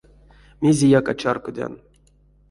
Мезеяк а чарькодян.